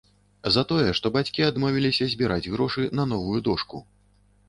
За тое, што бацькі адмовіліся збіраць грошы на новую дошку.